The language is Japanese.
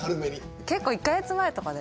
結構１か月前とかで。